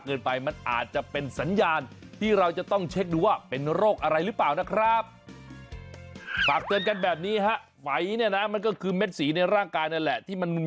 เกิดมาเพื่อมีชีวิตเพื่อนหล่อ